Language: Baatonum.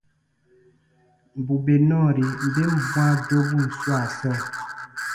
Bù bè nɔɔri ben bwãa dobun swaa sɔɔ,